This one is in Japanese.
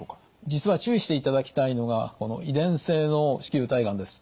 実は注意していただきたいのがこの遺伝性の子宮体がんです。